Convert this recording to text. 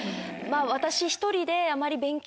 私１人であまり。